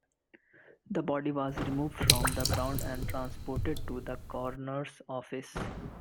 The body was removed from the ground and transported to the coroner's office.